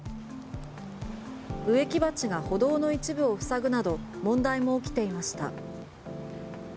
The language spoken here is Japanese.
植木鉢が歩道の一部をふさぐなど問題も起きていました。